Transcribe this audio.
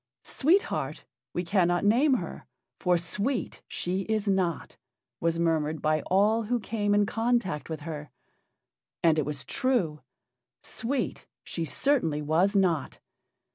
"Sweet Heart we cannot name her, for sweet she is not," was murmured by all who came in contact with her. And it was true. Sweet she certainly was not.